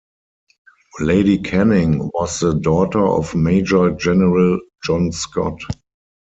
Lady Canning was the daughter of Major-General John Scott.